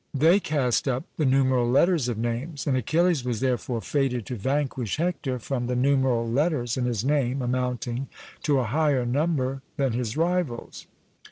They cast up the numeral letters of names, and Achilles was therefore fated to vanquish Hector, from the numeral letters in his name amounting to a higher number than his rival's.